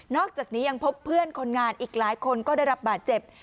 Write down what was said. อกจากนี้ยังพบเพื่อนคนงานอีกหลายคนก็ได้รับบาดเจ็บ